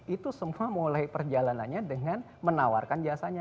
itu semua mulai perjalanannya dengan menawarkan jasanya